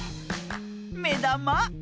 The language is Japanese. めだま。